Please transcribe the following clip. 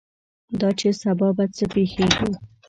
دا چې سبا به څه پېښېږي.